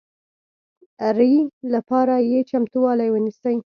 ري لپاره یې چمتوالی ونیسئ